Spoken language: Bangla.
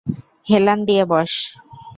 হেলান দিয়ে বস্।